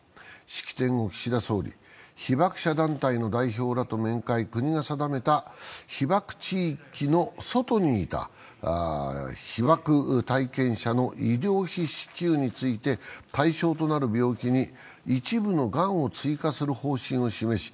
式典後、岸田総理、被爆者団体の代表らと面会、国が定めた被爆地域の外にいた被爆体験者の医療費支給について、対象となる病気に一部のがんを追加する方針を示し